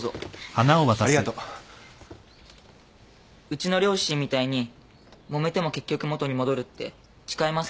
うちの両親みたいにもめても結局元に戻るって誓いますか？